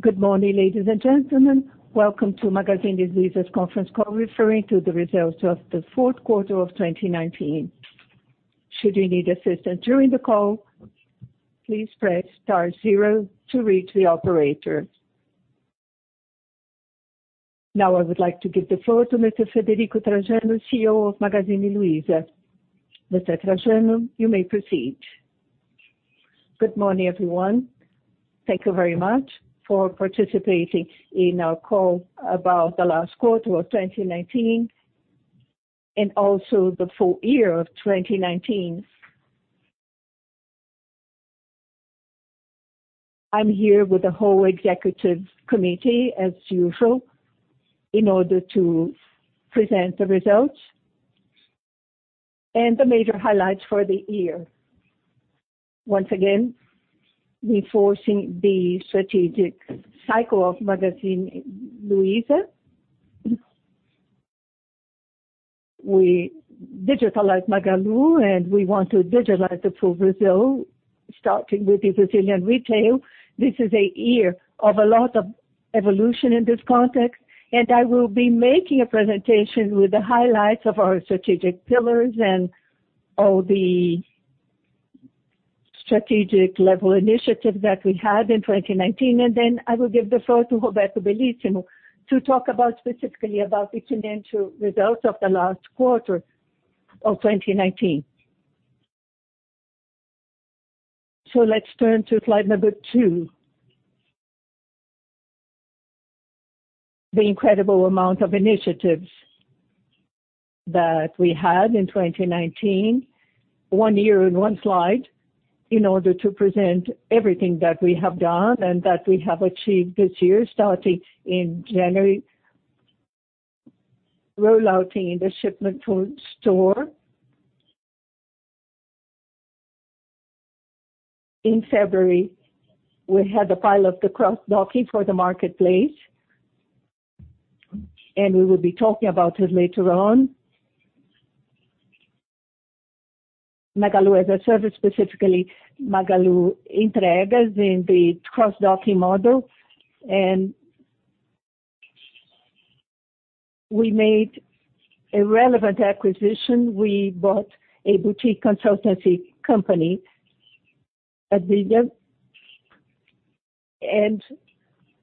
Good morning, ladies and gentlemen. Welcome to Magazine Luiza's conference call referring to the results of the fourth quarter of 2019. Should you need assistance during the call, please press star zero to reach the operator. Now I would like to give the floor to Mr. Frederico Trajano, CEO of Magazine Luiza. Mr. Trajano, you may proceed. Good morning, everyone. Thank you very much for participating in our call about the last quarter of 2019 and also the full year of 2019. I'm here with the whole executive committee as usual in order to present the results and the major highlights for the year. Once again, reinforcing the strategic cycle of Magazine Luiza. We digitalize Magalu, and we want to digitalize it for Brazil, starting with the Brazilian retail. This is a year of a lot of evolution in this context, and I will be making a presentation with the highlights of our strategic pillars and all the strategic-level initiatives that we had in 2019. Then I will give the floor to Roberto Bellissimo to talk about specifically about the financial results of the last quarter of 2019. Let's turn to slide number two. The incredible amount of initiatives that we had in 2019, one year in one slide in order to present everything that we have done and that we have achieved this year, starting in January, rolling out the shipment to stores. In February, we had the pilot, the cross-docking for the marketplace, and we will be talking about it later on. Magalu as a Service, specifically Magalu Entregas in the cross-docking model. We made a relevant acquisition. We bought a boutique consultancy company, Abilio.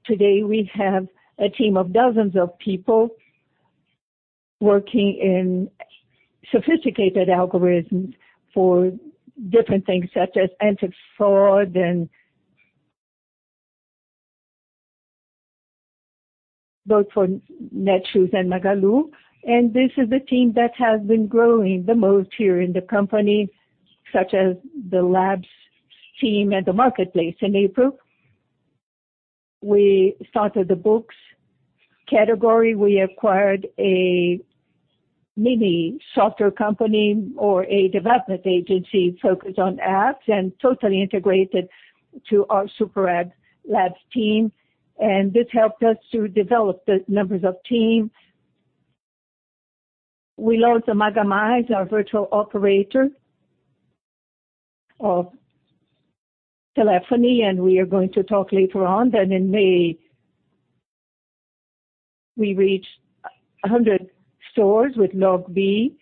Today we have a team of dozens of people working in sophisticated algorithms for different things, such as anti-fraud and both for Netshoes and Magalu. This is the team that has been growing the most here in the company, such as the labs team and the marketplace. In April, we started the books category. We acquired a mini software company or a development agency focused on apps and totally integrated to our SuperApp Labs team. This helped us to develop the number of teams. We launched the Maga+, our virtual operator of telephony, and we are going to talk later on. In May, we reached 100 stores with LogBee.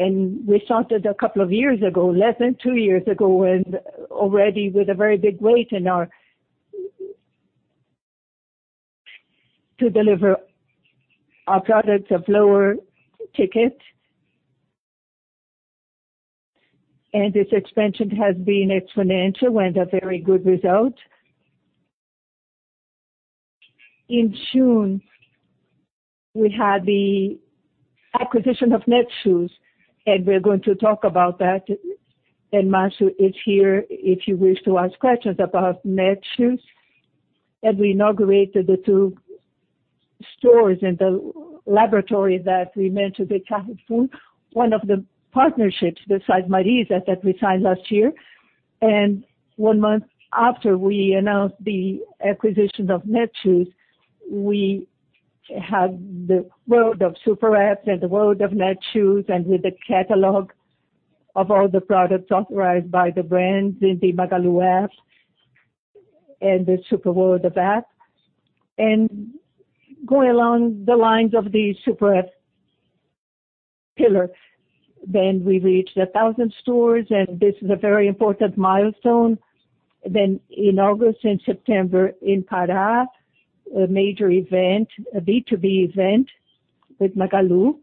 We started a couple of years ago, less than two years ago, and already with a very big weight in us to deliver our products of lower ticket. This expansion has been exponential and a very good result. In June, we had the acquisition of Netshoes, and we're going to talk about that. Marcio is here if you wish to ask questions about Netshoes. We inaugurated the two stores and the laboratory that we mentioned at Carrefour, one of the partnerships besides Marisa that we signed last year. One month after we announced the acquisition of Netshoes, we had the world of SuperApp and the world of Netshoes, and with the catalog of all the products authorized by the brands in the Magalu app and the SuperApp. Going along the lines of the SuperApp pillar, then we reached 1,000 stores, and this is a very important milestone. In August and September in Pará, a major event, a B2B event with Magalu.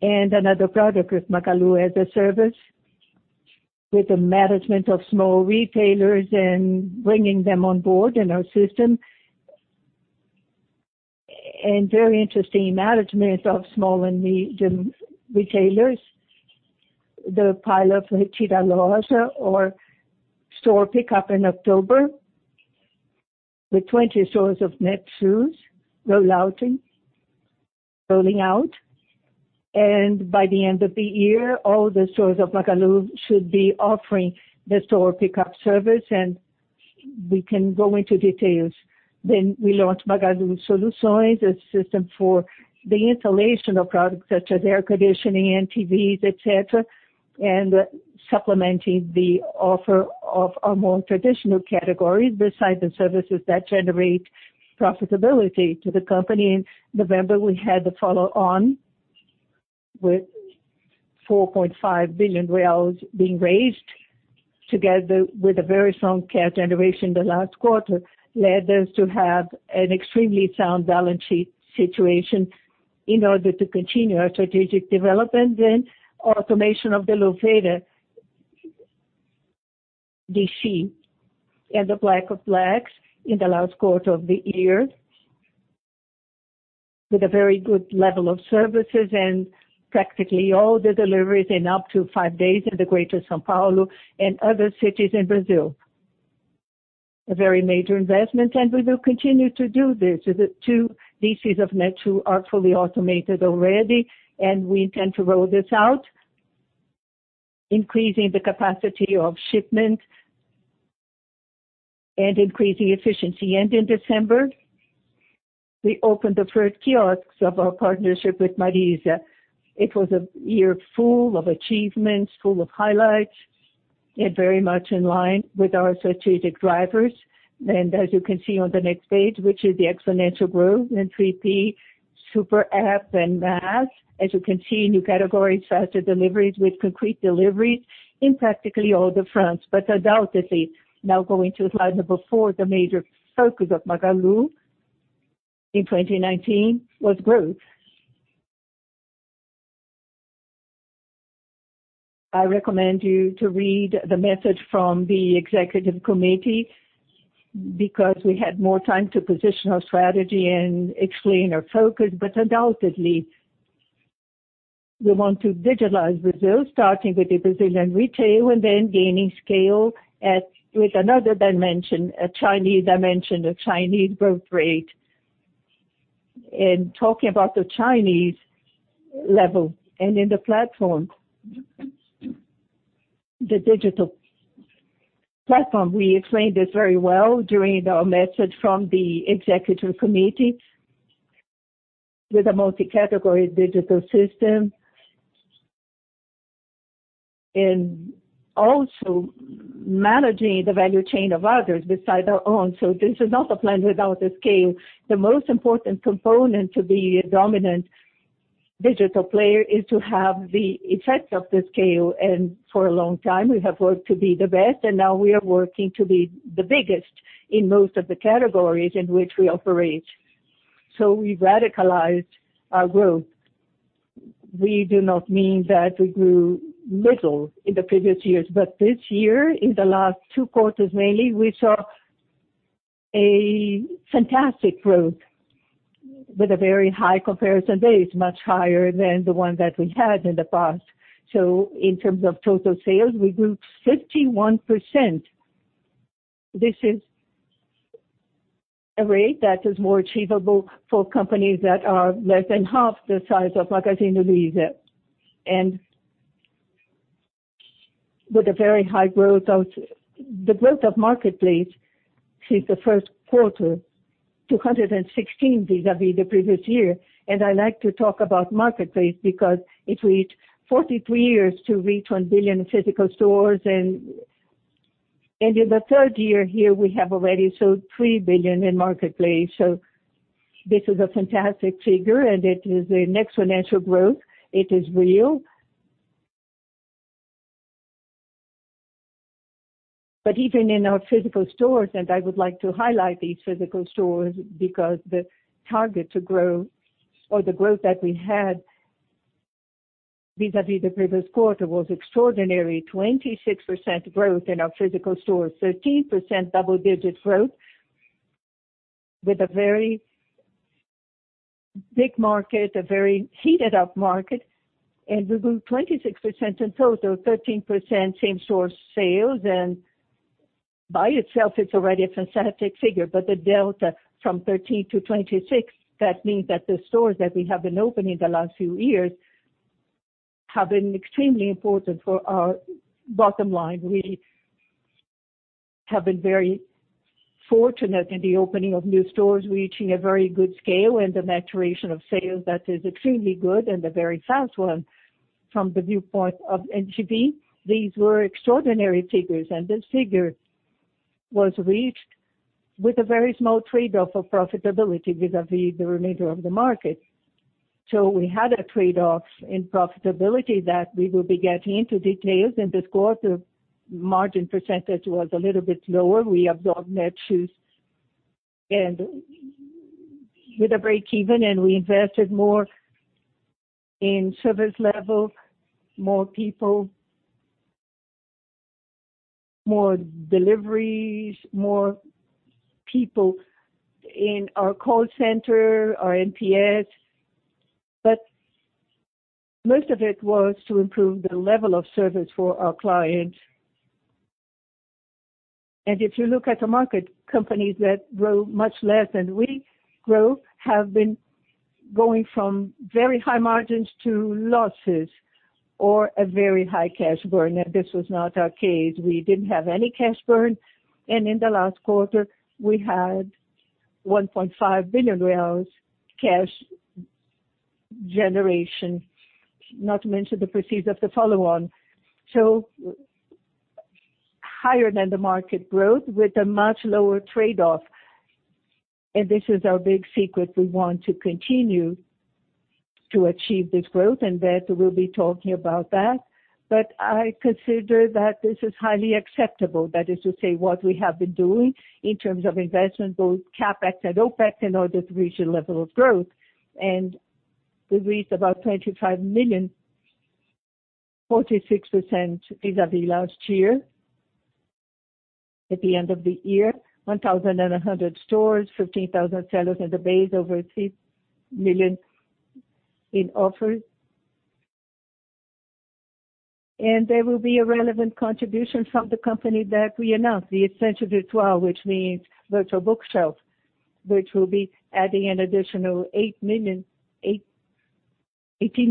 Another product with Magalu as a Service with the management of small retailers and bringing them on board in our system. Very interesting management of small and medium retailers. The pilot for Retira Loja or Store Pickup in October. The 20 stores of Netshoes rolling out. By the end of the year, all the stores of Magalu should be offering the Store Pickup service. We can go into details. We launched Magalu Soluções, a system for the installation of products such as air conditioning and TVs, et cetera, and supplementing the offer of our more traditional categories besides the services that generate profitability to the company. In November, we had the follow-on with 4.5 billion reais being raised together with a very strong cash generation in the last quarter led us to have an extremely sound balance sheet situation in order to continue our strategic development. Automation of the Louveira DC and the Black das Blacks in the last quarter of the year, with a very good level of services and practically all the deliveries in up to five days in the greater São Paulo and other cities in Brazil. A very major investment. We will continue to do this with the two DCs of Netshoes are fully automated already, and we intend to roll this out, increasing the capacity of shipment and increasing efficiency. In December, we opened the first kiosks of our partnership with Marisa. It was a year full of achievements, full of highlights, and very much in line with our strategic drivers. As you can see on the next page, which is the exponential growth in 3P, SuperApp and MaaS. As you can see, new categories, faster deliveries with concrete deliveries in practically all the fronts. Undoubtedly, now going to slide number four, the major focus of Magalu in 2019 was growth. I recommend you to read the message from the executive committee because we had more time to position our strategy and explain our focus. Undoubtedly, we want to digitalize Brazil, starting with the Brazilian retail and then gaining scale with another dimension, a Chinese dimension, a Chinese growth rate. In talking about the Chinese level and in the digital platform. We explained this very well during our message from the executive committee, with a multi-category digital system and also managing the value chain of others besides our own. This is not a plan without a scale. The most important component to be a dominant digital player is to have the effect of scale. For a long time, we have worked to be the best, and now we are working to be the biggest in most of the categories in which we operate. We radicalized our growth. We do not mean that we grew little in the previous years, but this year, in the last two quarters mainly, we saw a fantastic growth with a very high comparison base, much higher than the one that we had in the past. In terms of total sales, we grew 51%. This is a rate that is more achievable for companies that are less than half the size of Magazine Luiza. The growth of marketplace since the first quarter, 216 vis-à-vis the previous year. I like to talk about the marketplace because it took us 43 years to reach 1 billion physical stores. In the third year here, we have already sold 3 billion in the marketplace. This is a fantastic figure, and it is an exponential growth. It is real. Even in our physical stores, I would like to highlight these physical stores because the target to grow or the growth that we had vis-à-vis the previous quarter was extraordinary. 26% growth in our physical stores, 13% double-digit growth with a very big market, a very heated up market, and we grew 26% in total, 13% same store sales. By itself it's already a fantastic figure. The delta from 13%-26%, that means that the stores that we have been opening in the last few years have been extremely important for our bottom line. We have been very fortunate in the opening of new stores reaching a very good scale and a maturation of sales that is extremely good and a very fast one from the viewpoint of NPV. These were extraordinary figures, and this figure was reached with a very small trade-off of profitability vis-à-vis the remainder of the market. We had a trade-off in profitability that we will be getting into details in this quarter. Margin percentage was a little bit lower. We absorbed Netshoes and with a breakeven, and we invested more in service level, more people, more deliveries, more people in our call center, our NPS. Most of it was to improve the level of service for our clients. If you look at the market, companies that grow much less than we grow have been going from very high margins to losses or a very high cash burn, and this was not our case. We didn't have any cash burn, and in the last quarter, we had 1.5 billion reais cash generation, not to mention the proceeds of the follow-on. Higher than the market growth with a much lower trade-off. This is our big secret. We want to continue to achieve this growth, and that we'll be talking about that. I consider that this is highly acceptable. That is to say, what we have been doing in terms of investment, both CapEx and OpEx, in order to reach a level of growth, and we reached about 25 million, 46% vis-a-vis last year. At the end of the year, 1,100 stores, 15,000 sellers in the base, over 3 million in offers. There will be a relevant contribution from the company that we announced, the Estante Virtual, which means virtual bookshelf, which will be adding an additional 18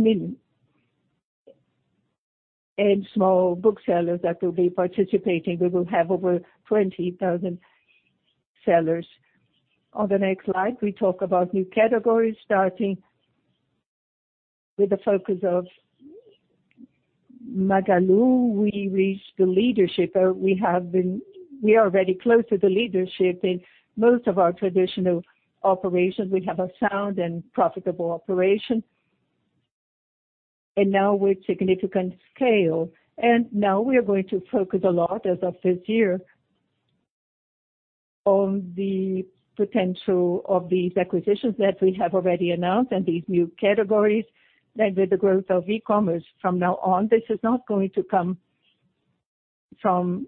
million. Small booksellers that will be participating. We will have over 20,000 sellers. On the next slide, we talk about new categories, starting with the focus of Magalu. We reached the leadership. We are very close to the leadership in most of our traditional operations. We have a sound and profitable operation. Now with significant scale. Now we are going to focus a lot as of this year on the potential of these acquisitions that we have already announced and these new categories that with the growth of e-commerce from now on. This is not going to come from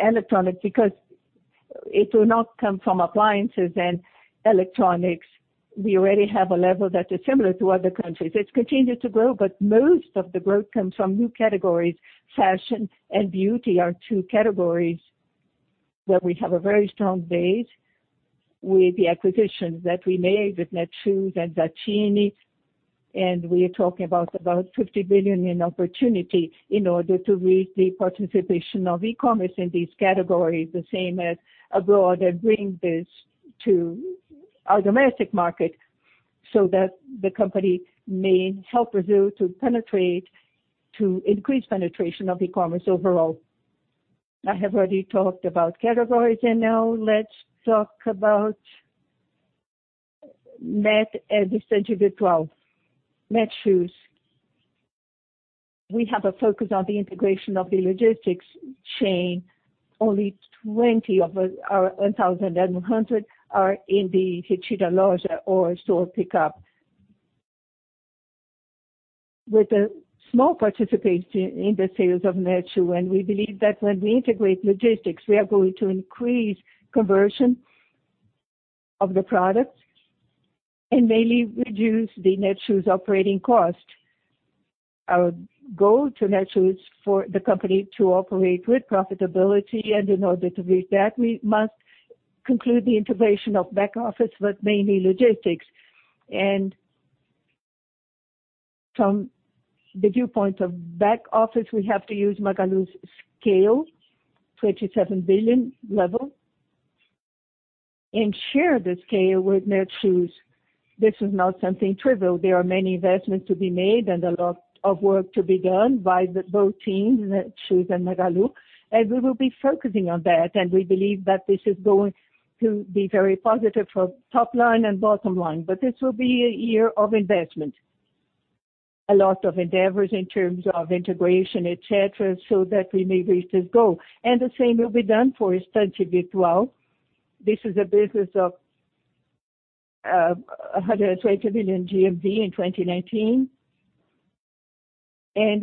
electronics. It will not come from appliances and electronics. We already have a level that is similar to other countries. It's continued to grow, but most of the growth comes from new categories. Fashion and beauty are two categories where we have a very strong base with the acquisitions that we made with Netshoes and Zattini. We are talking about 50 billion in opportunity in order to reach the participation of e-commerce in these categories, the same as abroad, and bring this to our domestic market, so that the company may help Brazil to increase penetration of e-commerce overall. I have already talked about categories. Now let's talk about Net and Estante Virtual. Netshoes. We have a focus on the integration of the logistics chain. Only 20 of our 1,100 are in the Retira Loja or Store Pickup. With a small participation in the sales of Netshoes, we believe that when we integrate logistics, we are going to increase conversion of the product and mainly reduce the Netshoes operating cost. Our goal for Netshoes for the company to operate with profitability. In order to reach that, we must conclude the integration of back office, but mainly logistics. From the viewpoint of back office, we have to use Magalu's scale, 27 billion level, and share the scale with Netshoes. This is not something trivial. There are many investments to be made and a lot of work to be done by both teams, Netshoes and Magalu. We will be focusing on that, we believe that this is going to be very positive for top line and bottom line. This will be a year of investment. A lot of endeavors in terms of integration, et cetera, so that we may reach this goal. The same will be done for Estante Virtual. This is a business of 120 million GMV in 2019.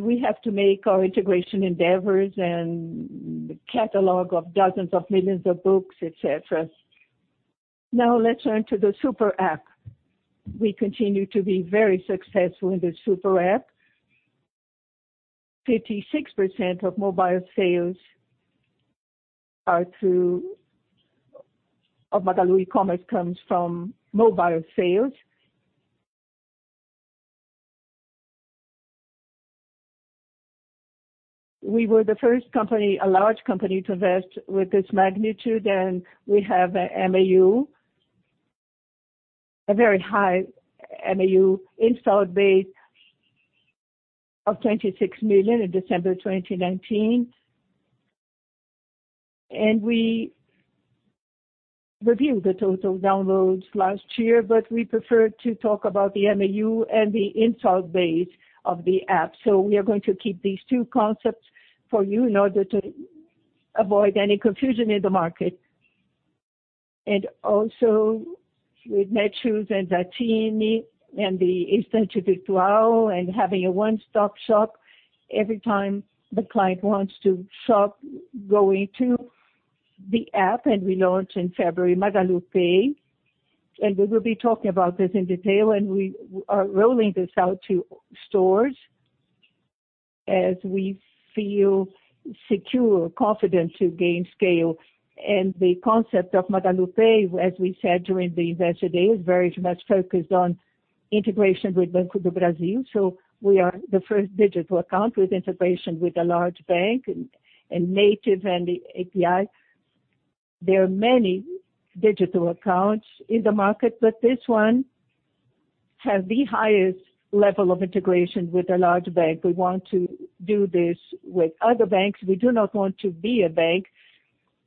We have to make our integration endeavors and catalog of dozens of millions of books, et cetera. Now let's turn to the SuperApp. We continue to be very successful in the SuperApp. 56% of Magalu e-commerce comes from mobile sales. We were the first company, a large company, to invest with this magnitude, and we have a MAU, a very high MAU installed base of 26 million in December 2019. We reviewed the total downloads last year, but we prefer to talk about the MAU and the installed base of the app. We are going to keep these two concepts for you in order to avoid any confusion in the market. Also, with Netshoes, Zattini, and the Estante Virtual, and having a one-stop shop every time the client wants to shop, going to the app. We launch in February, Magalu Pay. We will be talking about this in detail, and we are rolling this out to stores as we feel secure, confident to gain scale. The concept of Magalu Pay, as we said during the investor day, is very much focused on integration with Banco do Brasil. We are the first digital account with integration with a large bank, and native and the API. There are many digital accounts in the market, but this one has the highest level of integration with a large bank. We want to do this with other banks. We do not want to be a bank.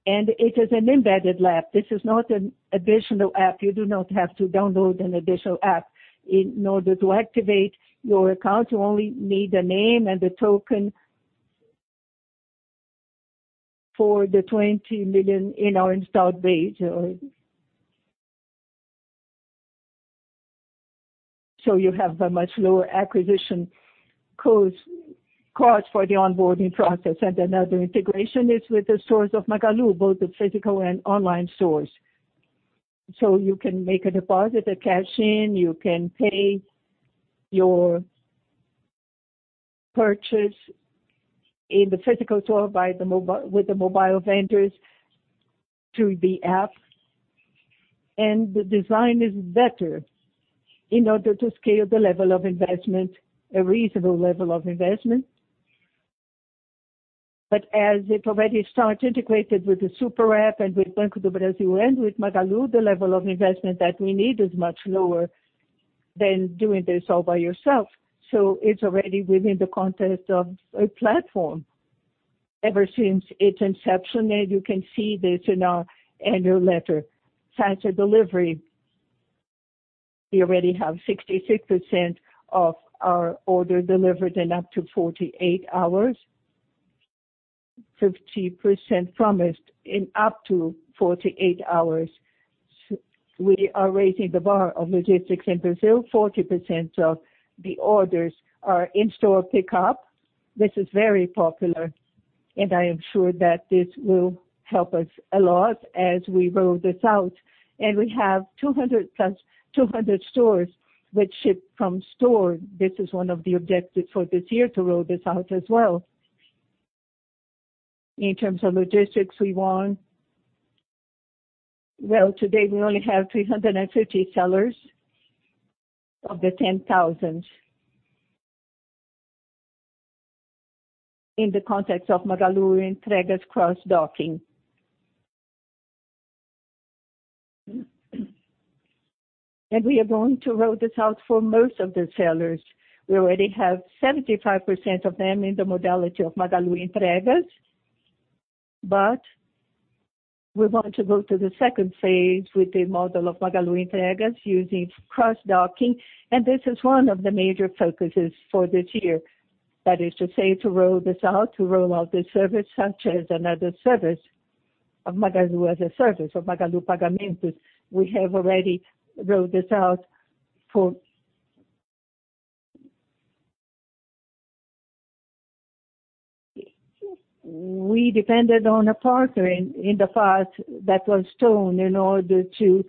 It is an embedded lab. This is not an additional app. You do not have to download an additional app. In order to activate your account, you only need a name and a token. For the 20 million in our installed base. You have a much lower acquisition cost for the onboarding process. Another integration is with the stores of Magalu, both the physical and online stores. You can make a deposit, a cash-in, you can pay your purchase in the physical store with the mobile vendors through the app. The design is better in order to scale the level of investment, a reasonable level of investment. As it already start integrated with the SuperApp and with Banco do Brasil and with Magalu, the level of investment that we need is much lower than doing this all by yourself. It's already within the context of a platform. Ever since its inception, and you can see this in our annual letter. Faster delivery. We already have 66% of our order delivered in up to 48 hours, 50% promised in up to 48 hours. We are raising the bar of logistics in Brazil. 40% of the orders are in-store pickup. This is very popular, and I am sure that this will help us a lot as we roll this out. We have 200 stores which ship from store. This is one of the objectives for this year, to roll this out as well. In terms of logistics, well, today we only have 350 sellers of the 10,000 in the context of Magalu Entregas cross-docking. We are going to roll this out for most of the sellers. We already have 75% of them in the modality of Magalu Entregas. We're going to go to the second phase with the model of Magalu Entregas using cross-docking, and this is one of the major focuses for this year. That is to say, to roll this out, to roll out this service, such as another service of Magalu as a Service, of Magalu Pagamentos. We have already rolled this out. We depended on a partner in the past that was Stone in order to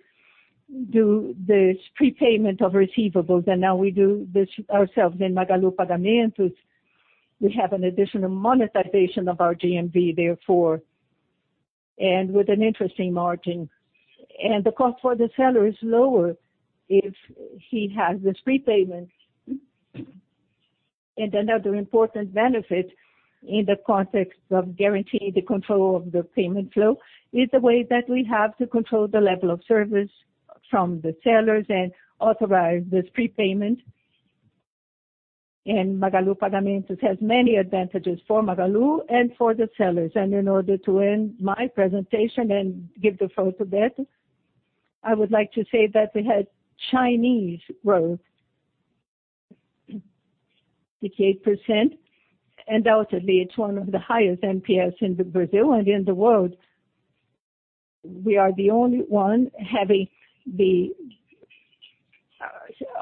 do this prepayment of receivables, and now we do this ourselves in Magalu Pagamentos. We have an additional monetization of our GMV, therefore, and with an interesting margin. The cost for the seller is lower if he has this prepayment. Another important benefit in the context of guaranteeing the control of the payment flow is the way that we have to control the level of service from the sellers and authorize this prepayment. Magalu Pagamentos has many advantages for Magalu and for the sellers. In order to end my presentation and give the floor to Berto, I would like to say that we had Chinese growth, 68%. Undoubtedly, it's one of the highest NPS in Brazil and in the world. We are the only ones having the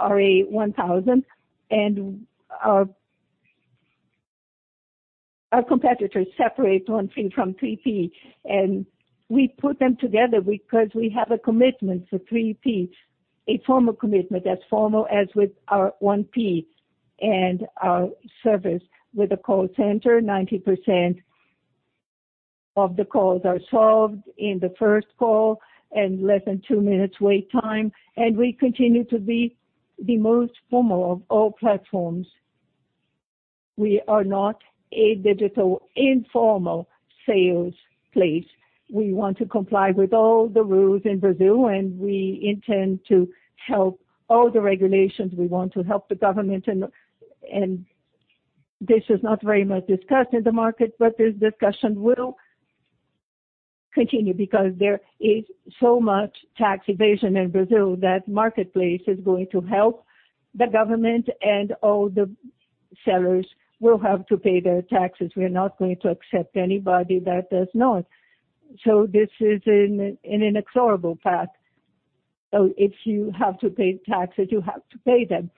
RA1000. Our competitors separate one thing from 3P. We put them together because we have a commitment for 3P, a formal commitment, as formal as with our 1P. Our service with the call center, 90% of the calls are solved in the first call, and less than two minutes wait time. We continue to be the most formal of all platforms. We are not a digital informal sales place. We want to comply with all the rules in Brazil, and we intend to help all the regulations. We want to help the government. This is not very much discussed in the market, but this discussion will continue because there is so much tax evasion in Brazil that the marketplace is going to help the government, and all the sellers will have to pay their taxes. We're not going to accept anybody that does not. This is an inexorable fact. If you have to pay taxes, you have to pay them.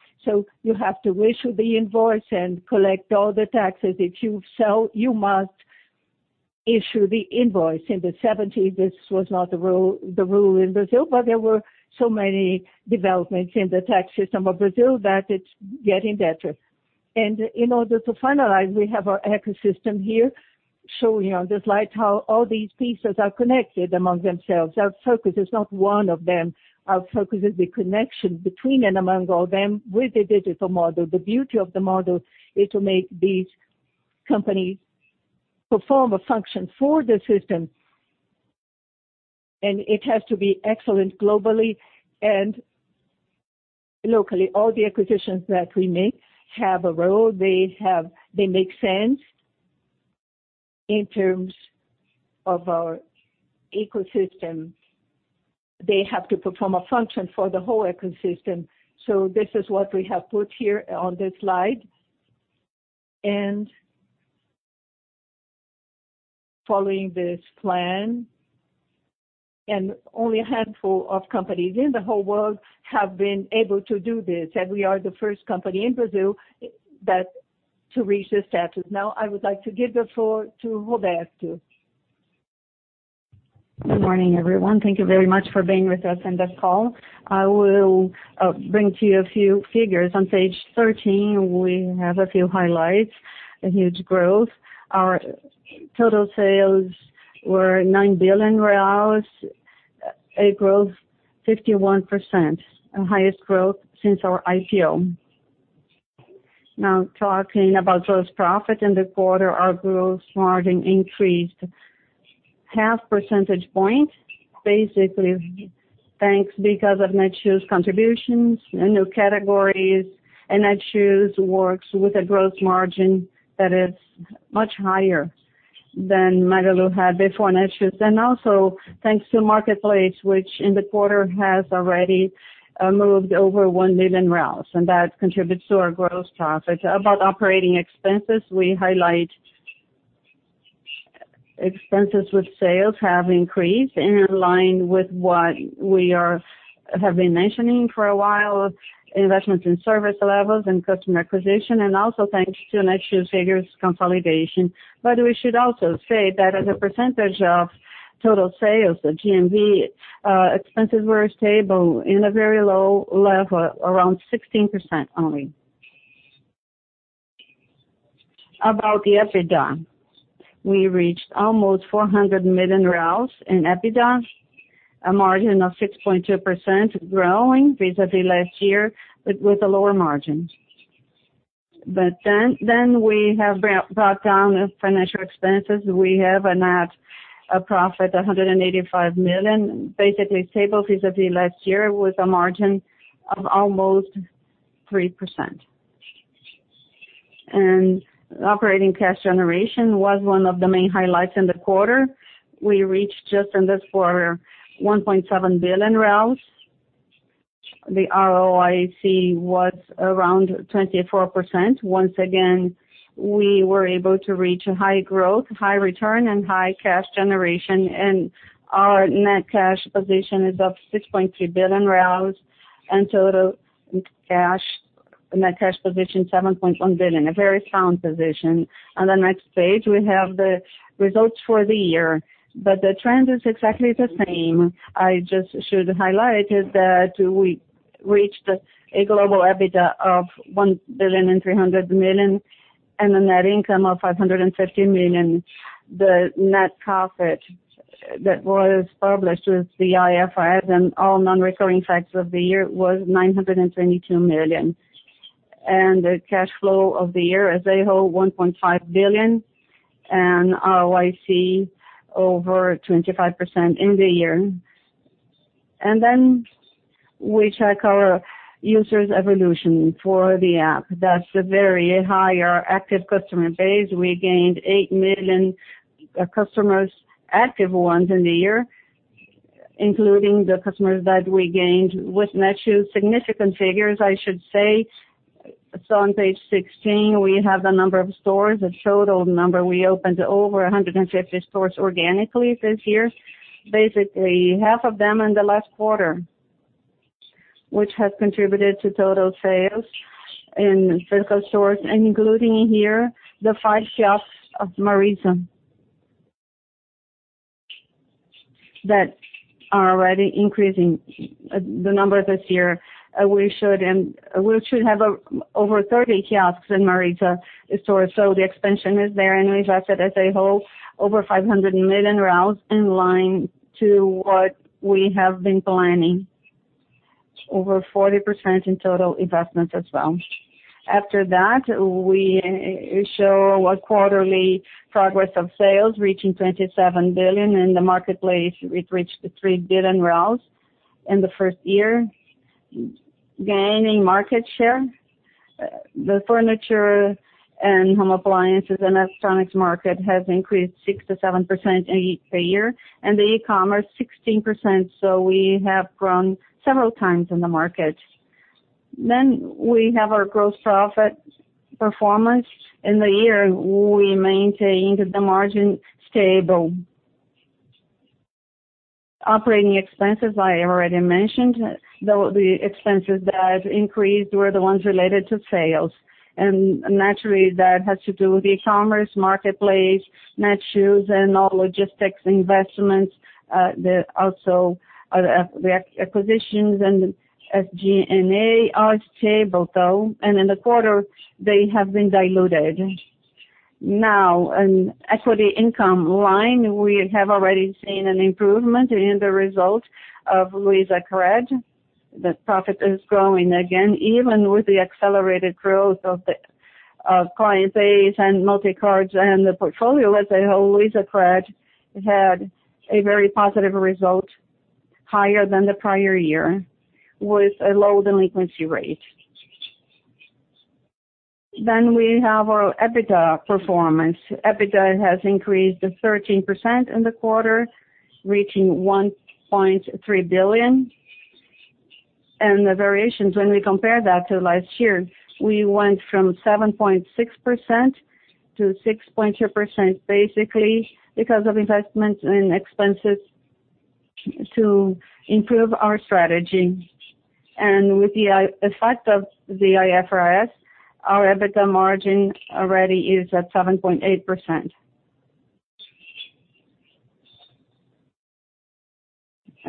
You have to issue the invoice and collect all the taxes. If you sell, you must issue the invoice. In the 1970s, this was not the rule in Brazil, but there were so many developments in the tax system of Brazil that it's getting better. In order to finalize, we have our ecosystem here. This slide how all these pieces are connected among themselves. Our focus is not one of them. Our focus is the connection between and among all them with the digital model. The beauty of the model is to make these companies perform a function for the system, and it has to be excellent globally and locally. All the acquisitions that we make have a role. They make sense in terms of our ecosystem. They have to perform a function for the whole ecosystem. This is what we have put here on this slide. Following this plan, only a handful of companies in the whole world have been able to do this, we are the first company in Brazil to reach this status. Now I would like to give the floor to Roberto. Good morning, everyone. Thank you very much for being with us on this call. I will bring to you a few figures. On page 13, we have a few highlights, a huge growth. Our total sales were 9 billion reais. A growth 51%, our highest growth since our IPO. Now, talking about gross profit in the quarter. Our gross margin increased half percentage point, basically thanks because of Netshoes contributions and new categories, and Netshoes works with a gross margin that is much higher than Magalu had before Netshoes. Also thanks to marketplace, which in the quarter has already moved over 1 million, and that contributes to our gross profit. About operating expenses, we highlight expenses with sales have increased in line with what we have been mentioning for a while. Investments in service levels and customer acquisition, and also thanks to Netshoes figures consolidation. We should also say that as a percentage of total sales, the GMV expenses were stable in a very low level, around 16% only. About the EBITDA. We reached almost 400 million in EBITDA, a margin of 6.2%, growing vis-à-vis last year, but with a lower margin. We have brought down financial expenses. We have a net profit, 185 million, basically stable vis-à-vis last year, with a margin of almost 3%. Operating cash generation was one of the main highlights in the quarter. We reached just in this quarter 1.7 billion. The ROIC was around 24%. Once again, we were able to reach a high growth, high return, and high cash generation. Our net cash position is up 6.3 billion, and total net cash position is 7.1 billion. A very sound position. On the next page, we have the results for the year. The trend is exactly the same. I just should highlight is that we reached a global EBITDA of 1.3 billion, and a net income of 550 million. The net profit that was published with the IFRS and all non-recurring factors of the year was 922 million. The cash flow of the year as a whole, 1.5 billion and ROIC over 25% in the year. We check our users' evolution for the app. That's a very higher active customer base. We gained 8 million customers, active ones in the year, including the customers that we gained with Netshoes. Significant figures, I should say. On page 16, we have the number of stores, the total number. We opened over 150 stores organically this year. Basically, half of them in the last quarter, which has contributed to total sales in physical stores, including here the five kiosks of Marisa that are already increasing the number this year. We should have over 30 kiosks in Marisa stores. The expansion is there and we invested as a whole over 500 million in line to what we have been planning. Over 40% in total investments as well. We show a quarterly progress of sales reaching 27 billion in the marketplace. It reached 3 billion in the third year, gaining market share. The furniture, home appliances, and electronics market has increased 6%-7% per year and the e-commerce 16%, we have grown several times in the market. We have our gross profit performance. In the year, we maintained the margin stable. Operating expenses, I already mentioned. The expenses that increased were the ones related to sales. Naturally, that has to do with e-commerce, marketplace, Netshoes, and all logistics investments. Also, the acquisitions and SG&A are stable, though, and in the quarter, they have been diluted. In equity income line, we have already seen an improvement in the result of LuizaCred. The profit is growing again, even with the accelerated growth of the client base and multicards and the portfolio as a whole. LuizaCred had a very positive result, higher than the prior year, with a low delinquency rate. We have our EBITDA performance. EBITDA has increased to 13% in the quarter, reaching 1.3 billion. The variations, when we compare that to last year, we went from 7.6% to 6.2%, basically because of investments in expenses to improve our strategy. With the effect of the IFRS, our EBITDA margin already is at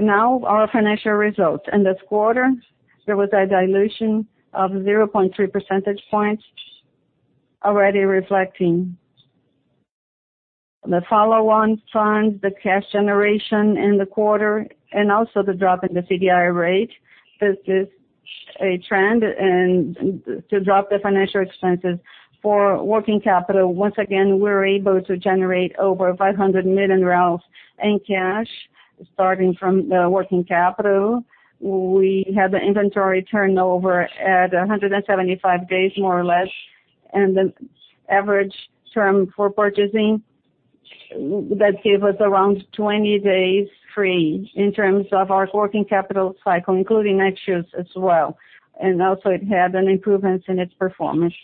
7.8%. Our financial results. In this quarter, there was a dilution of 0.3 percentage points already reflecting. The follow-on funds, the cash generation in the quarter, and also the drop in the CDI rate. This is a trend to drop the financial expenses for working capital. Once again, we're able to generate over 500 million in cash starting from the working capital. We had the inventory turnover at 175 days, more or less, and the average term for purchasing that gave us around 20 days free in terms of our working capital cycle, including Netshoes as well. Also, it had an improvement in its performance.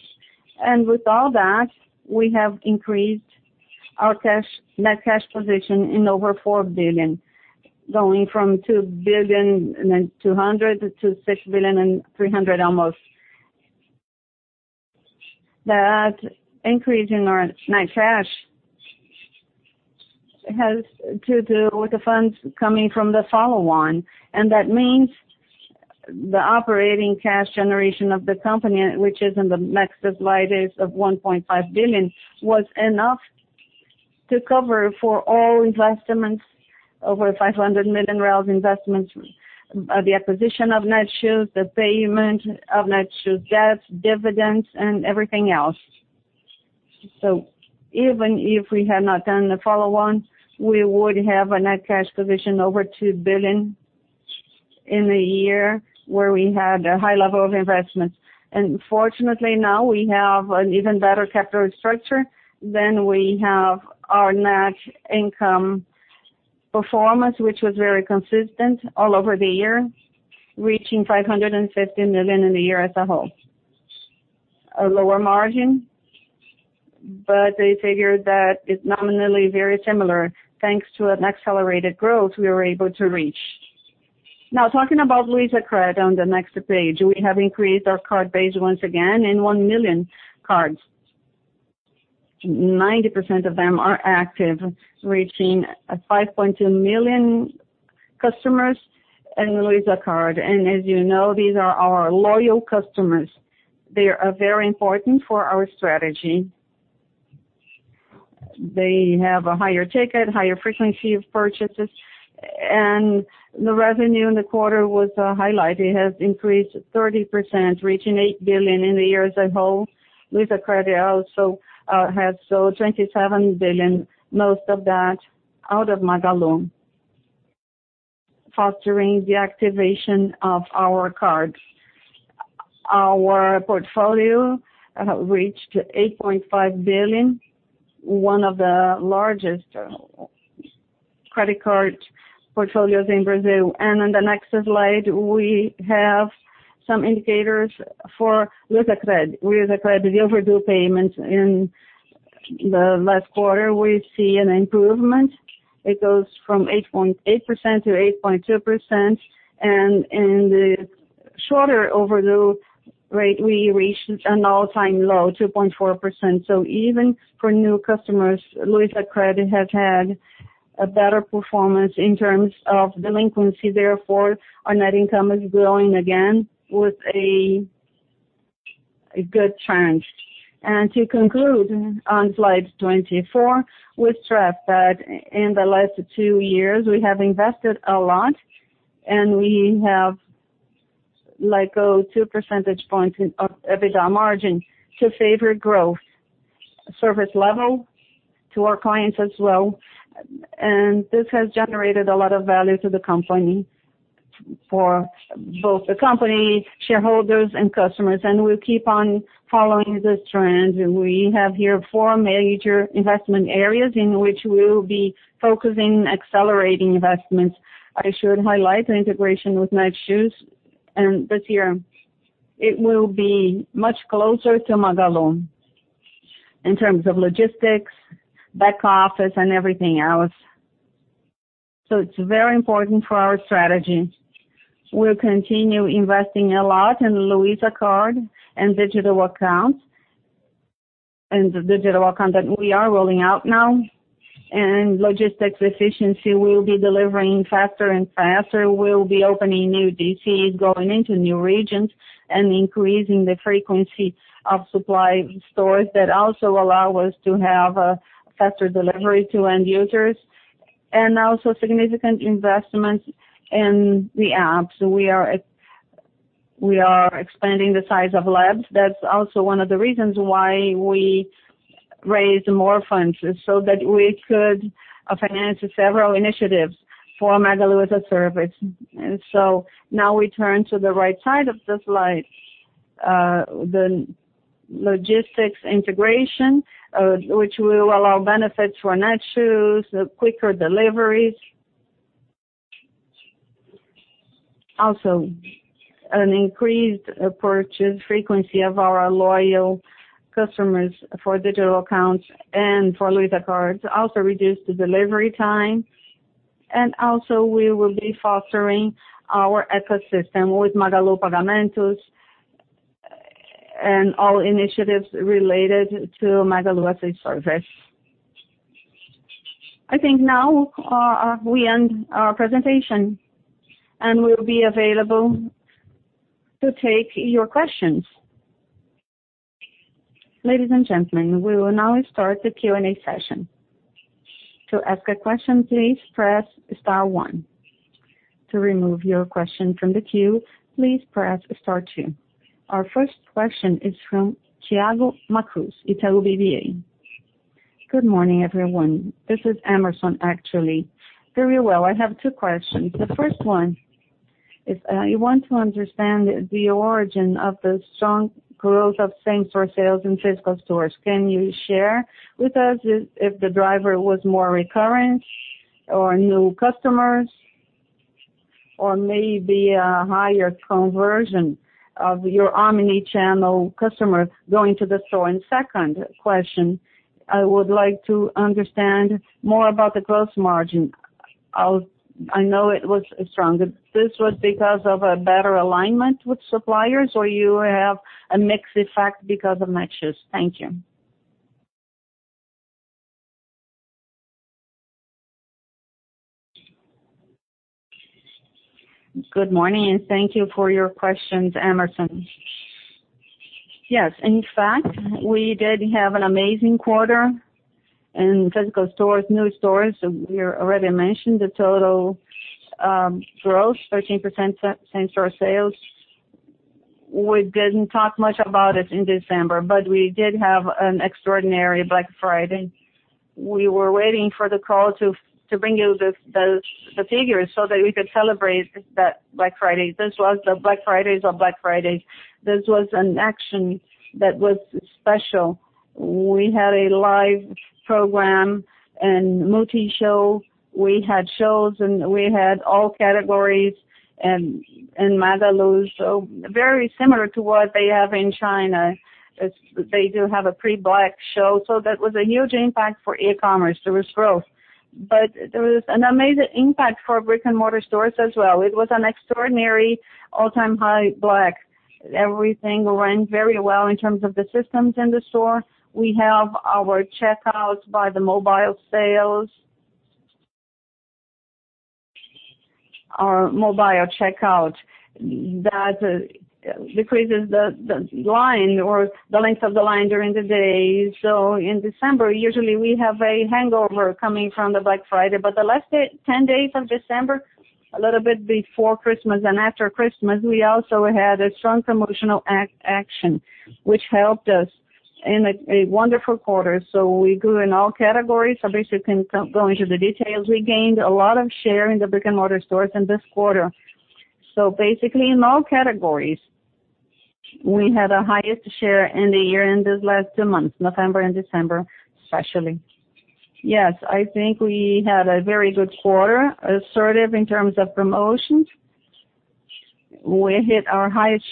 With all that, we have increased our net cash position in over 4 billion, going from 2.2 billion to 6.3 billion almost. That increase in our net cash has to do with the funds coming from the follow-on. That means the operating cash generation of the company, which is in the next slide, is of 1.5 billion, was enough to cover for all investments, over 500 million investments, the acquisition of Netshoes, the payment of Netshoes debt, dividends, and everything else. Even if we had not done the follow-on, we would have a net cash position over 2 billion in the year where we had a high level of investment. Fortunately, now we have an even better capital structure than we have our net income performance, which was very consistent all over the year, reaching 550 million in the year as a whole. A lower margin, but a figure that is nominally very similar, thanks to an accelerated growth we were able to reach. Now talking about LuizaCred on the next page. We have increased our card base once again in 1 million cards. 90% of them are active, reaching 5.2 million customers in LuizaCard. As you know, these are our loyal customers. They are very important for our strategy. They have a higher ticket, a higher frequency of purchases, and the revenue in the quarter was a highlight. It has increased 30%, reaching 8 billion in the year as a whole. LuizaCred also had sold 27 billion, most of that out of Magalu, fostering the activation of our cards. Our portfolio reached 8.5 billion, one of the largest credit card portfolios in Brazil. On the next slide, we have some indicators for LuizaCred. LuizaCred, the overdue payments in the last quarter, we see an improvement. It goes from 8.8% to 8.2%, and in the shorter overdue rate, we reached an all-time low, 2.4%. Even for new customers, LuizaCred has had a better performance in terms of delinquency. Therefore, our net income is growing again with a good trend. To conclude on slide 24, we stress that in the last two years, we have invested a lot, and we have let go of 2 percentage points of EBITDA margin to favor growth, service level to our clients as well. This has generated a lot of value to the company, for both the company, shareholders, and customers. We'll keep on following this trend. We have here four major investment areas in which we will be focusing, accelerating investments. I should highlight the integration with Netshoes, and this year it will be much closer to Magalu in terms of logistics, back office, and everything else. It's very important for our strategy. We'll continue investing a lot in LuizaCard and digital accounts, and the digital account that we are rolling out now. Logistics efficiency will be delivering faster and faster. We'll be opening new DCs, going into new regions, and increasing the frequency of supply stores that also allow us to have a faster delivery to end users. Also significant investments in the apps. We are expanding the size of labs. That's also one of the reasons why we raised more funds, so that we could finance several initiatives for Magalu as a Service. Now we turn to the right side of the slide. The logistics integration, which will allow benefits for Netshoes, quicker deliveries. Also, an increased purchase frequency of our loyal customers for digital accounts and for LuizaCard. Also reduce the delivery time. Also we will be fostering our ecosystem with Magalu Pagamentos and all initiatives related to Magalu as a Service. I think now we end our presentation, and we'll be available to take your questions. Ladies and gentlemen, we will now start the Q&A session. To ask a question, please press star one. To remove your question from the queue, please press star two. Our first question is from Thiago Macruz, Itaú BBA. Good morning, everyone. This is Emerson, actually. Very well. I have two questions. The first one is, I want to understand the origin of the strong growth of same-store sales in physical stores. Can you share with us if the driver was more recurrent or new customers, or maybe a higher conversion of your omni-channel customers going to the store? Second question, I would like to understand more about the gross margin. I know it was strong. This was because of a better alignment with suppliers, or you have a mix effect because of matches? Thank you. Good morning, thank you for your questions, Emerson. Yes. In fact, we did have an amazing quarter in physical stores, new stores. We already mentioned the total growth, 13% same-store sales. We didn't talk much about it in December, but we did have an extraordinary Black Friday. We were waiting for the call to bring you the figures so that we could celebrate that Black Friday. This was the Black Fridays of Black Fridays. This was an action that was special. We had a live program and Multishow. We had shows, we had all categories in Magalu. Very similar to what they have in China. They do have a pre-Black show. That was a huge impact for e-commerce. There was growth. There was an amazing impact for brick-and-mortar stores as well. It was an extraordinary all-time high Black. Everything ran very well in terms of the systems in the store. We have our checkout by the mobile sales. Our mobile checkout. That decreases the line or the length of the line during the day. In December, usually we have a hangover coming from the Black Friday. The last 10 days of December, a little bit before Christmas and after Christmas, we also had a strong promotional action, which helped us in a wonderful quarter. We grew in all categories. Fabrício can go into the details. We gained a lot of shares in the brick-and-mortar stores in this quarter. Basically, in all categories, we had the highest share in the year in these last two months, November and December, especially. Yes. I think we had a very good quarter, assertive in terms of promotions. We hit our highest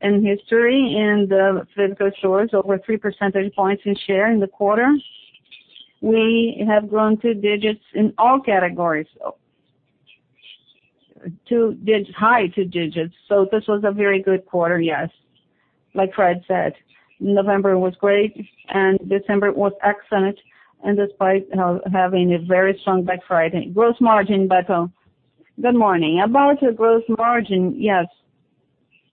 share in history in the physical stores, over 3 percentage points in share in the quarter. We have grown two digits in all categories. High two digits. This was a very good quarter, yes. Like Fred said, November was great, December was excellent, despite having a very strong Black Friday. Gross margin, Berto. Good morning. About the gross margin, yes.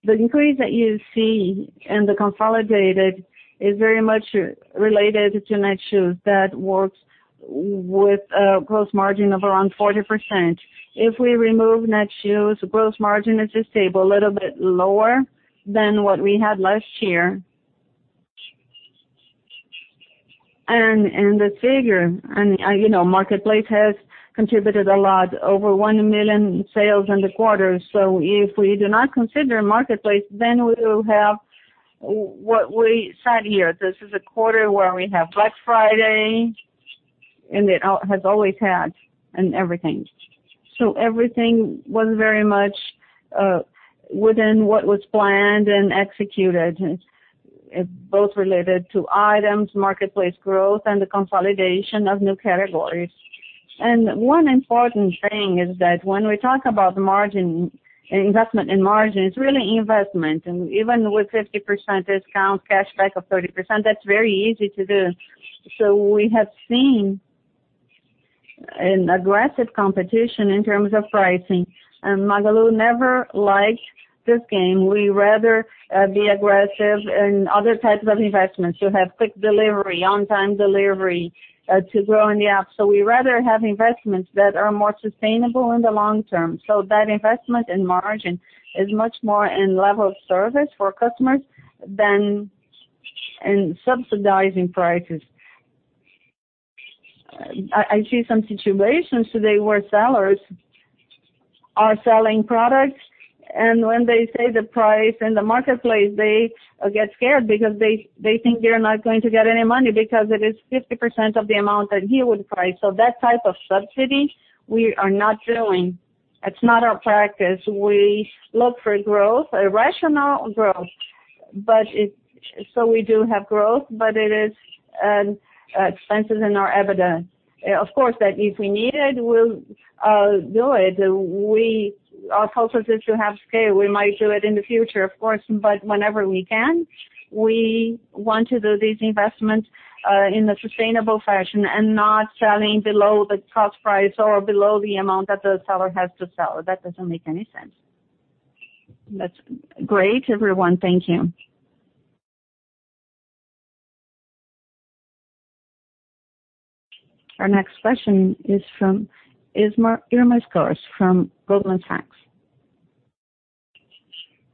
The increase that you see in the consolidated is very much related to Netshoes. That works with a gross margin of around 40%. If we remove Netshoes, gross margin is just stable, a little bit lower than what we had last year. The figure. Marketplace has contributed a lot, over 1 million in sales in the quarter. If we do not consider marketplace, we will have what we said here. This is a quarter where we have Black Friday. And it has always had and everything. Everything was very much within what was planned and executed, both related to items, marketplace growth, and the consolidation of new categories. One important thing is that when we talk about margin, investment in margin, it's really an investment. Even with 50% discount, cashback of 30%, that's very easy to do. We have seen an aggressive competition in terms of pricing. Magalu never liked this game. We rather be aggressive in other types of investments. You have quick delivery, on-time delivery, to grow in the app. We rather have investments that are more sustainable in the long term. That investment in margin is much more in level of service for customers than in subsidizing prices. I see some situations today where sellers are selling products, and when they say the price in the marketplace, they get scared because they think they're not going to get any money because it is 50% of the amount that he would price. That type of subsidy, we are not doing. It's not our practice. We look for growth, a rational growth. We do have growth, but it is expenses in our EBITDA. Of course, that if we need it, we'll do it. Our culture is to have scale. We might do it in the future, of course, but whenever we can, we want to do these investments in a sustainable fashion and not selling below the cost price or below the amount that the seller has to sell. That doesn't make any sense. That's great, everyone. Thank you. Our next question is from Irma Sgarz from Goldman Sachs.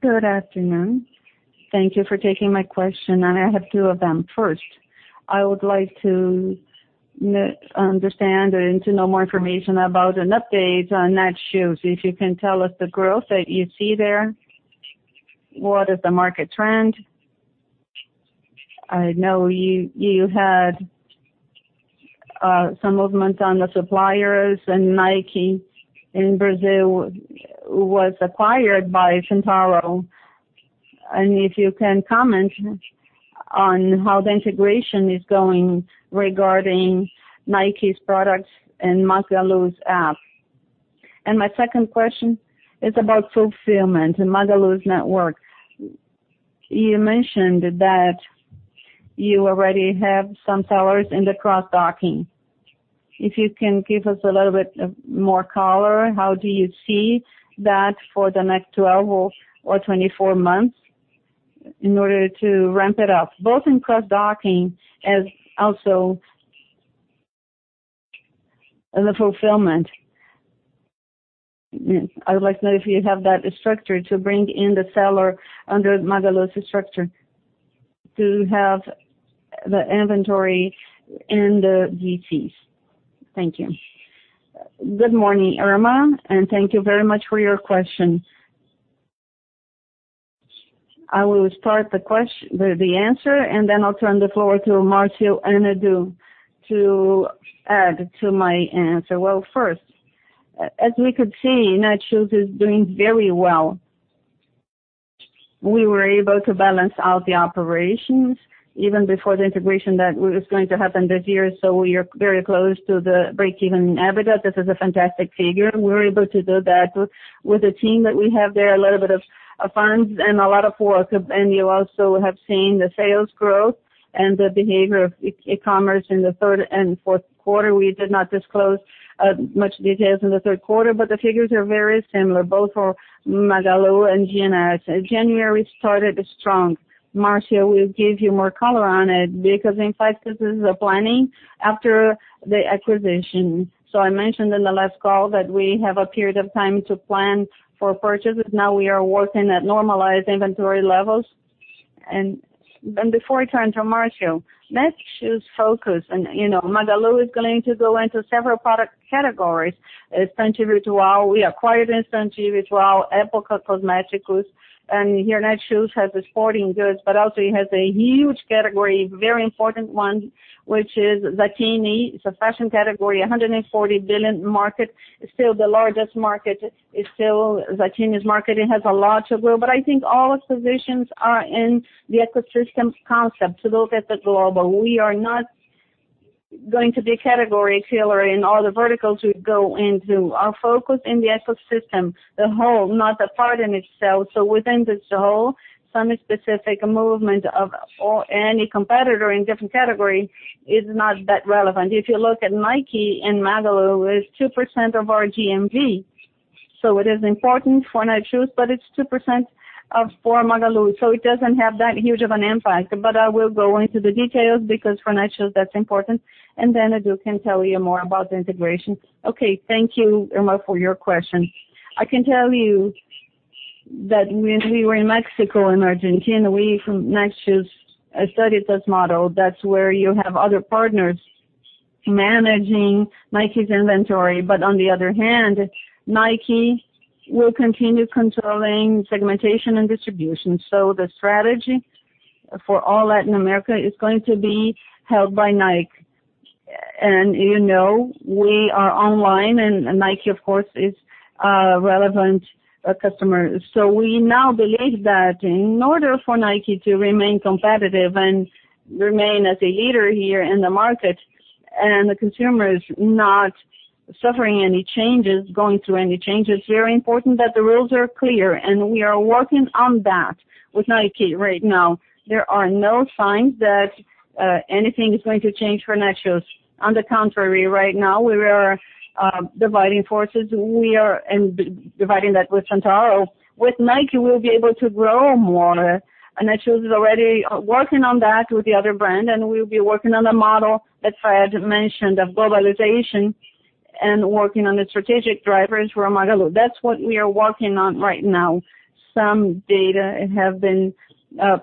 Good afternoon. Thank you for taking my question. I have two of them. First, I would like to understand and to know more information about an update on Netshoes. If you can tell us the growth that you see there, what is the market trend? I know you had some movement on the suppliers. Nike in Brazil was acquired by Centauro. If you can comment on how the integration is going regarding Nike's products in Magalu's app. My second question is about fulfillment in Magalu's network. You mentioned that you already have some sellers in the cross-docking. If you can give us a little bit more color, how do you see that for the next 12 or 24 months in order to ramp it up, both in cross-docking as also in the fulfillment. I would like to know if you have that structure to bring in the seller under Magalu's structure to have the inventory and the DCs. Thank you. Good morning, Irma. Thank you very much for your question. I will start the answer. I'll turn the floor to Marcio and Edu to add to my answer. Well, first, as we could see, Netshoes is doing very well. We were able to balance out the operations even before the integration that was going to happen this year. We are very close to the break-even EBITDA. This is a fantastic figure. We were able to do that with the team that we have there, a little bit of funds and a lot of work. You also have seen the sales growth and the behavior of e-commerce in the third and fourth quarter. We did not disclose much details in the third quarter, but the figures are very similar, both for Magalu and GNS. January started strong. Marcio will give you more color on it because in fact, this is a planning after the acquisition. I mentioned in the last call that we have a period of time to plan for purchases. Now we are working at normalized inventory levels. Before I turn to Marcio, Netshoes' focus, and Magalu is going to go into several product categories. Estante Virtual, we acquired Estante Virtual, Época Cosméticos, and here Netshoes has the sporting goods, but also it has a huge category, very important one, which is Zattini. It's a fashion category, 140 billion market. It's still the largest market. It's still Zattini's market. It has a lot of growth. I think all positions are in the ecosystem concept to look at the global. We are not going to be a category killer in all the verticals we go into. Our focus in the ecosystem, the whole, not the part in itself. Within this whole, some specific movement of any competitor in different category is not that relevant. If you look at Nike and Magalu, it's 2% of our GMV. It is important for Netshoes, but it's 2% for Magalu. It doesn't have that huge of an impact. I will go into the details because for Netshoes, that's important. Then Edu can tell you more about the integration. Okay. Thank you, Irma, for your question. I can tell you that when we were in Mexico and Argentina, we from Netshoes studied this model. That's where you have other partners managing Nike's inventory. On the other hand, Nike will continue controlling segmentation and distribution. The strategy for all Latin America, is going to be held by Nike. You know, we are online and Nike, of course, is a relevant customer. We now believe that in order for Nike to remain competitive and remain as a leader here in the market, and the consumer is not suffering any changes, going through any changes, it's very important that the rules are clear, and we are working on that with Nike right now. There are no signs that anything is going to change for Netshoes. On the contrary, right now, we are dividing forces. We are dividing that with Centauro. With Nike, we'll be able to grow more, and Netshoes is already working on that with the other brand, and we'll be working on a model that Fred mentioned, of globalization and working on the strategic drivers for Magalu. That's what we are working on right now. Some data have been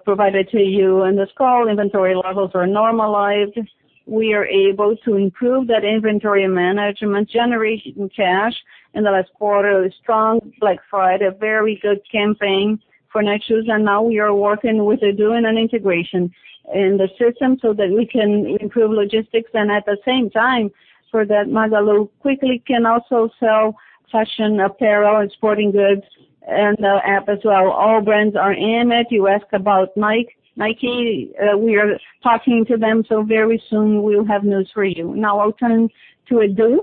provided to you on this call. Inventory levels are normalized. We are able to improve the inventory management. Generation cash in the last quarter is strong. Black Friday, a very good campaign for Netshoes. Now we are working with Edu in an integration in the system so that we can improve logistics, and at the same time, so that Magalu quickly can also sell fashion apparel and sporting goods, and the app as well. All brands are in it. You asked about Nike. Nike, we are talking to them, so very soon we will have news for you. Now I'll turn to Edu,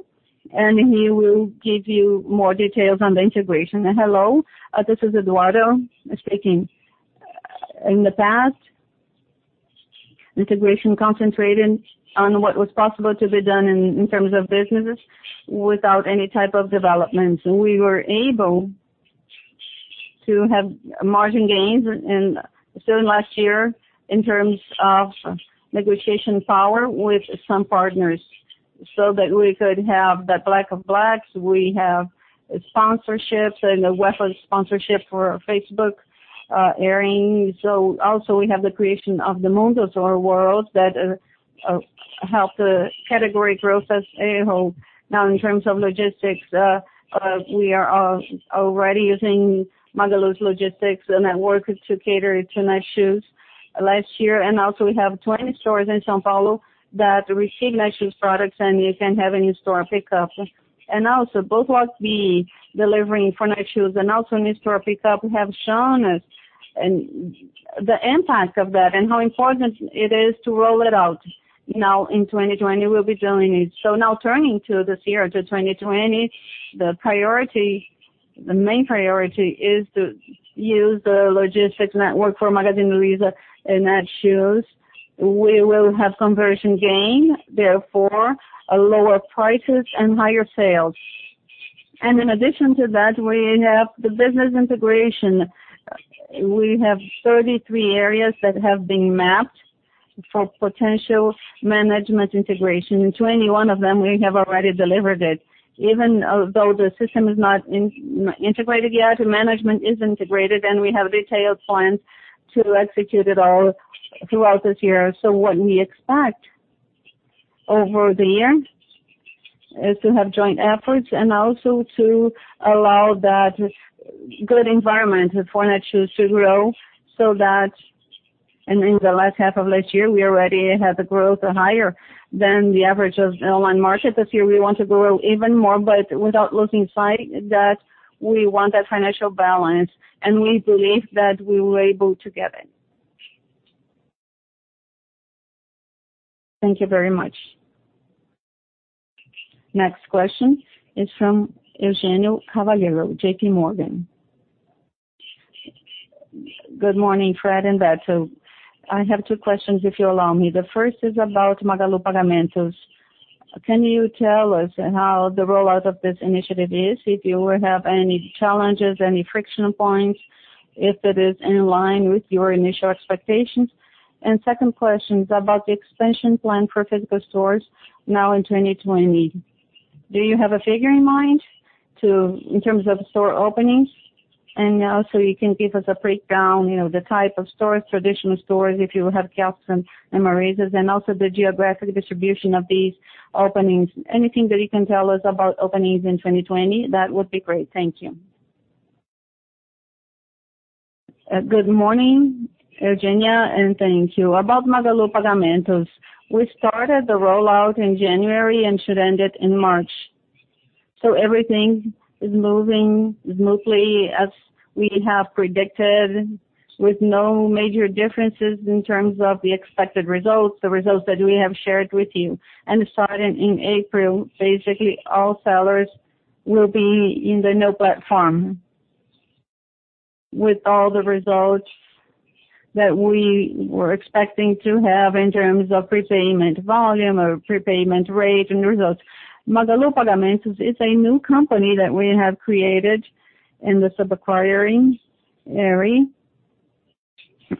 and he will give you more details on the integration. Hello, this is Eduardo speaking. In the past, integration concentrated on what was possible to be done in terms of businesses without any type of development. We were able to have margin gains in last year in terms of negotiation power with some partners so that we could have that Black das Blacks. We have sponsorships and a web sponsorship for Facebook airing. Also we have the creation of the Mundo, or world, that helped the category growth as a whole. In terms of logistics, we are already using Magalu's logistics network to cater to Netshoes last year. Also, we have 20 stores in São Paulo that receive Netshoes products, and you can have an in-store pickup. Also, both what we delivering for Netshoes and also in-store pickup have shown us the impact of that and how important it is to roll it out. In 2020, we'll be doing it. Turning to this year, to 2020, the main priority is to use the logistics network for Magazine Luiza and Netshoes. We will have conversion gain, therefore lower prices and higher sales. In addition to that, we have the business integration. We have 33 areas that have been mapped for potential management integration. 21 of them, we have already delivered it. Even though the system is not integrated yet, management is integrated, and we have detailed plans to execute it all throughout this year. What we expect over the year is to have joint efforts and also to allow that good environment for Netshoes to grow. In the last half of last year, we already had the growth higher than the average of online market. This year we want to grow even more, but without losing sight that we want that financial balance, and we believe that we will be able to get it. Thank you very much. Next question is from Eugenia Cavalheiro, JPMorgan. Good morning, Fred and Berto. I have two questions, if you allow me. The first is about Magalu Pagamentos. Can you tell us how the rollout of this initiative is? If you have any challenges, any friction points, if it is in line with your initial expectations? Second question is about the expansion plan for physical stores now in 2020. Do you have a figure in mind in terms of store openings? Also, you can give us a breakdown of the type of stores, traditional stores, if you have kept some [MROs], and also the geographic distribution of the openings. Anything that you can tell us about openings in 2020, that would be great. Thank you. Good morning, Eugenia, and thank you. About Magalu Pagamentos, we started the rollout in January and it ended in March. So, everything is moving smoothly as we have predicted, with no major differences in terms of the expected results, the results that we have shared with you. And starting in April, basically all sellers will be in the new platform with all the results that we were expecting to have in terms of prepaid volume, of prepaid rate and results. Magalu Pagamentos is a new company that we have created in the sub-acquiring area,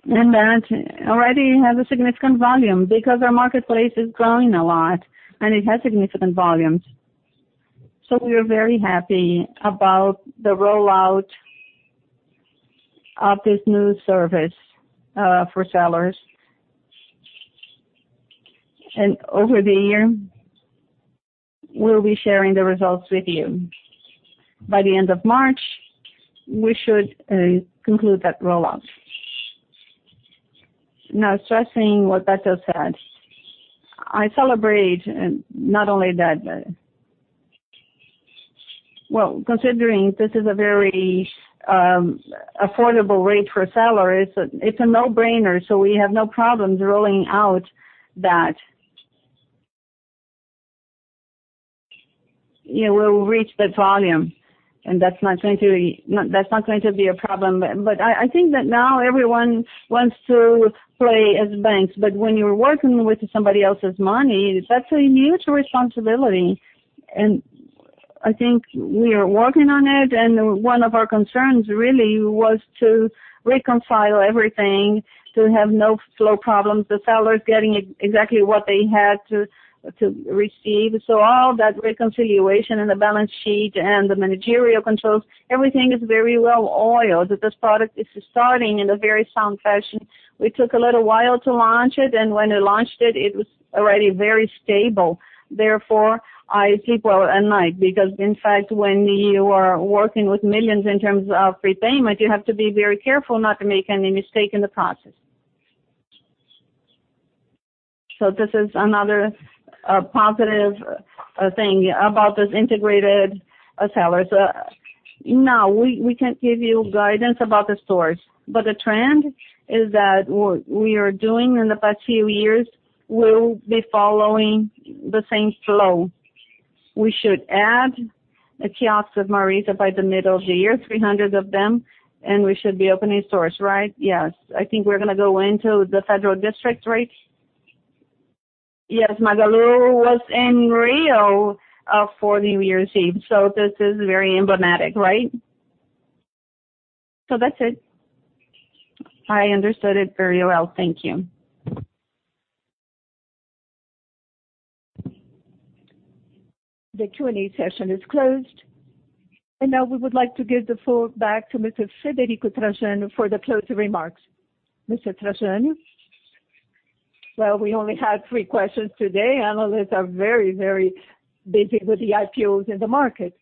and that already has a significant volume because our marketplace is growing a lot, and it has significant volumes. So, we are very happy about the rollout of this new service for sellers. Over the year, we'll be sharing the results with you. By the end of March, we should conclude that rollout. Now, stressing what Berto said, I celebrate not only that. Well, considering this is a very affordable rate for a seller, it's a no-brainer, so we have no problems rolling out that. We will reach that volume, and that's not going to be a problem. I think that now everyone wants to play as banks, but when you're working with somebody else's money, that's a huge responsibility. I think we are working on it, and one of our concerns really was to reconcile everything, to have no flow problems, the sellers getting exactly what they had to receive. All that reconciliation and the balance sheet and the managerial controls, everything is very well-oiled. This product is starting in a very sound fashion. We took a little while to launch it, and when we launched it was already very stable. Therefore, I sleep well at night because, in fact, when you are working with millions in terms of prepayment, you have to be very careful not to make any mistakes in the process. So, this is another positive thing about these integrated sellers. No, we can't give you guidance about the stores. The trend is that what we are doing in the past few years will be following the same flow. We should add the kiosks of Marisa by the middle of the year, 300 of them, and we should be opening stores, right? Yes. I think we're going to go into the Federal District, right? Yes, Magalu was in Rio for New Year's Eve. This is very emblematic, right? That's it. I understood it very well. Thank you. The Q&A session is closed. Now we would like to give the floor back to Mr. Frederico Trajano for the closing remarks. Mr. Trajano? Well, we only had three questions today. Analysts are very, very busy with the IPOs in the market.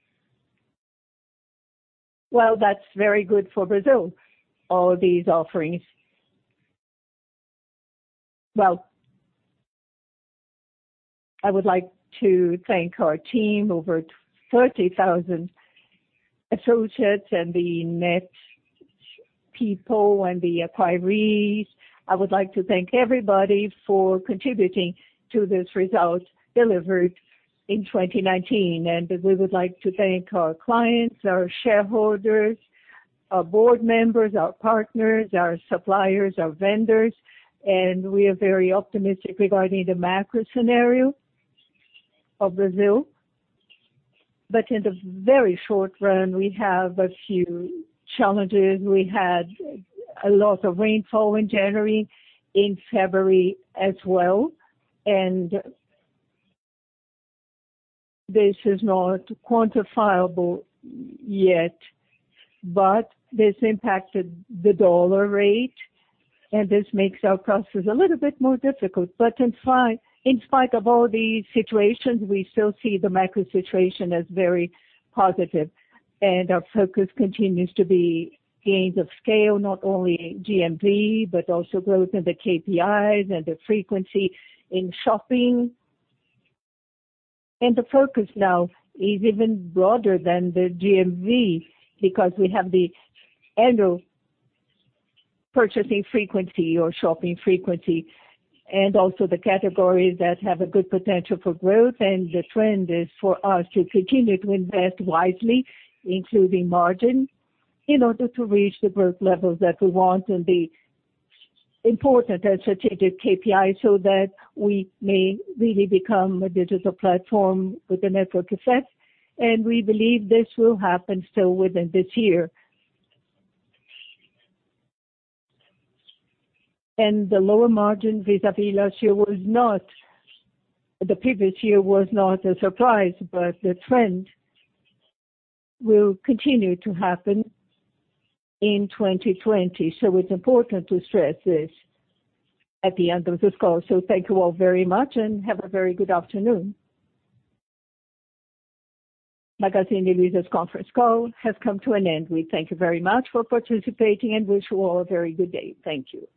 Well, that's very good for Brazil, all these offerings. Well, I would like to thank our team, over 30,000 associates, the Netshoes people, and the acquirees. I would like to thank everybody for contributing to this result delivered in 2019. We would like to thank our clients, our shareholders, our board members, our partners, our suppliers, our vendors. We are very optimistic regarding the macro scenario of Brazil. In the very short run, we have a few challenges. We had a lot of rainfall in January and in February as well. This is not quantifiable yet, but this impacted the dollar rate. This makes our process a little bit more difficult. In spite of all these situations, we still see the macro situation as very positive. Our focus continues to be gains of scale, not only GMV, but also growth in the KPIs and the frequency in shopping. The focus now is even broader than the GMV because we have the annual purchasing frequency or shopping frequency, and also the categories that have a good potential for growth. The trend is for us to continue to invest wisely, including margin, in order to reach the growth levels that we want and the important and strategic KPIs so that we may really become a digital platform with a network effect. We believe this will happen still within this year. The lower margin vis-à-vis last year, the previous year was not a surprise, but the trend will continue to happen in 2020. It's important to stress this at the end of this call. Thank you all very much and have a very good afternoon. Magazine Luiza's conference call has come to an end. We thank you very much for participating and wish you all a very good day. Thank you.